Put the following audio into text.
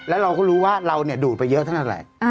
แล้วเราก็รู้ว่าเราดูดไปเยอะเท่าไหร่